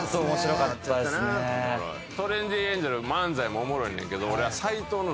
トレンディエンジェル漫才もおもろいねんけど俺は斎藤の。